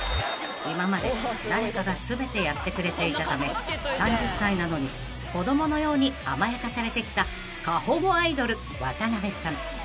［今まで誰かが全てやってくれていたため３０歳なのに子供のように甘やかされてきた過保護アイドル渡辺さん］